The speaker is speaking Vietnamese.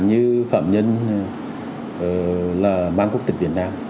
như phạm nhân mang quốc tịch việt nam